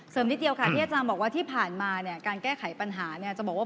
เสิร์มนิดเดียวค่ะที่อาจารย์บอกว่าที่ผ่านมาการแก้ไขปัญหาจะบอกว่า